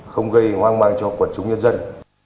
không gây hoang mang cho quần chúng nhân dân